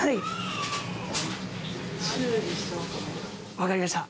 わかりました。